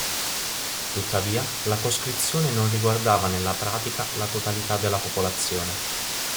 Tuttavia, la coscrizione non riguardava nella pratica la totalità della popolazione.